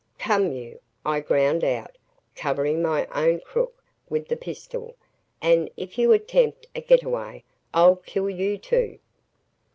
"Come you!" I ground out, covering my own crook with the pistol, "and if you attempt a getaway, I'll kill you, too!"